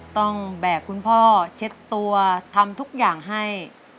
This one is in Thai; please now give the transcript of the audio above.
แบกคุณพ่อเช็ดตัวทำทุกอย่างให้